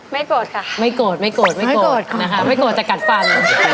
ไม่โกรธจะกัดฟัน